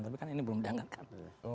tapi kan ini belum diangkat